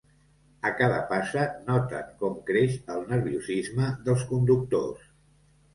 A cada passa noten com creix el nerviosisme dels conductors.